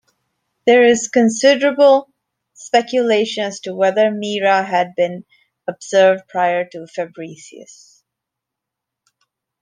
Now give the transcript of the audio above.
There is considerable speculation as to whether Mira had been observed prior to Fabricius.